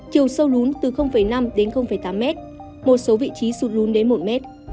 chiều sâu lún từ năm m đến tám m một số vị trí sụt lún đến một m